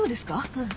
うん。